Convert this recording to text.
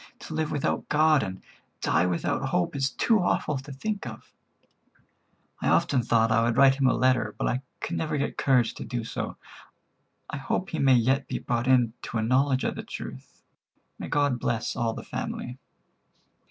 To live without God and die without hope is too awful to think of. I often thought I would write him a letter, but I could never get courage to do so. I hope he may yet be brought into a knowledge of the truth. May God bless all the family."